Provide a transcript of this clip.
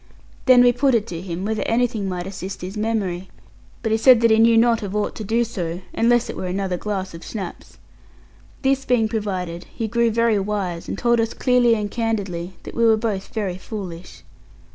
Then we put it to him, whether anything might assist his memory; but he said that he knew not of aught to do so, unless it were another glass of schnapps. This being provided, he grew very wise, and told us clearly and candidly that we were both very foolish.